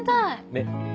ねっ。